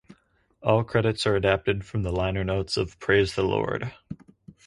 All credits are adapted from the liner notes of "Praise the Lord".